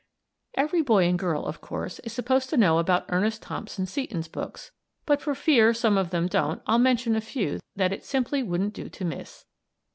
Every boy and girl, of course, is supposed to know about Ernest Thompson Seton's books, but for fear some of them don't, I'll mention a few that it simply wouldn't do to miss.